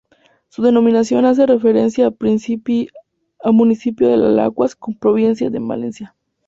Su denominación hace referencia al municipio de Alacuás en la provincia de Valencia.